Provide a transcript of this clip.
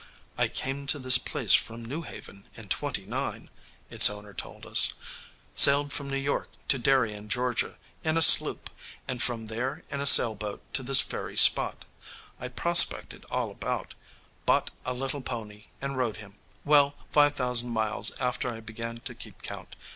"I came to this place from New Haven in '29," its owner told us "sailed from New York to Darien, Georgia, in a sloop, and from there in a sail boat to this very spot. I prospected all about: bought a little pony, and rode him well, five thousand miles after I began to keep count.